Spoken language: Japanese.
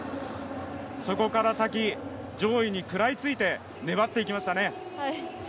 そこから先上位に食らいついて粘っていきましたね。